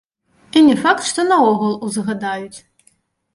І не факт, што наогул узгадаюць.